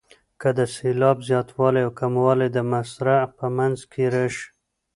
که د سېلاب زیاتوالی او کموالی د مصرع په منځ کې راشي.